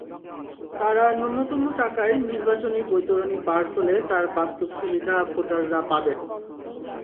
তঁারা ন্যূনতম টাকায় নির্বাচনী বৈতরণি পার হলে তার বাস্তব সুবিধা ভোটাররা পাবেন।